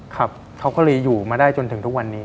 ครับเขาก็เลยอยู่มาได้จนถึงทุกวันนี้